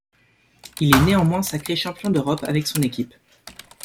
Il est néanmoins sacré champion d’Europe avec son équipe.